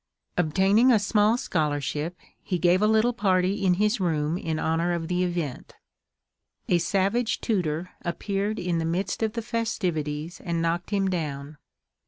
Obtaining a small scholarship, he gave a little party in his room in honor of the event. A savage tutor appeared in the midst of the festivities, and knocked him down.